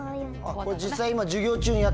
これ実際。